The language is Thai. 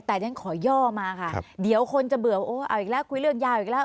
แต่ฉันขอย่อมาค่ะเดี๋ยวคนจะเบื่อโอ้เอาอีกแล้วคุยเรื่องยาวอีกแล้ว